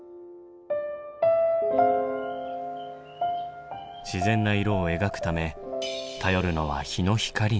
自然な色を描くため頼るのは日の光のみ。